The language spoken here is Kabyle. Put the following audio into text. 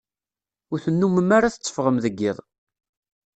Ur tennumem ara tetteffɣem deg iḍ.